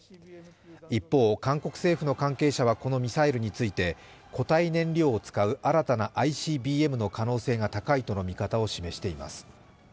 一方、韓国政府の関係者はこのミサイルについて、固体燃料を使う新たなＩＣＢＭの可能性が高いとの見方を示しています。